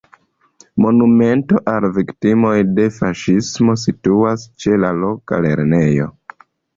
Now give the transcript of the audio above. Monumento al viktimoj de faŝismo situas ĉe la loka lernejo.